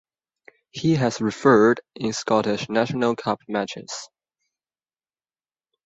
He has refereed in Scottish National Cup matches.